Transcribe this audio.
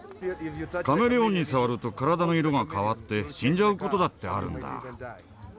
カメレオンに触ると体の色が変わって死んじゃうことだってあるんだ。